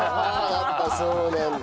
やっぱそうなんだ。